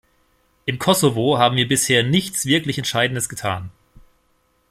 Im Kosovo haben wir bisher nichts wirklich Entscheidendes getan.